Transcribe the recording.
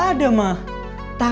apa apa sama ada